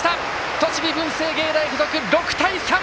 栃木、文星芸大付属６対３！